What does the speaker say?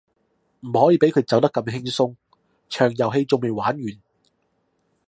唔可以畀佢走得咁輕鬆，場遊戲仲未玩完